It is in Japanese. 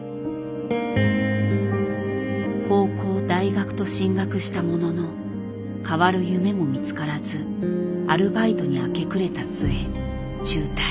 高校大学と進学したもののかわる夢も見つからずアルバイトに明け暮れた末中退。